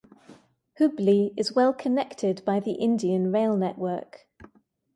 Hubli is well-connected by the Indian Rail Network.